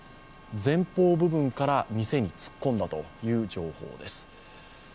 前方部分から店に突っ込んだという情報です。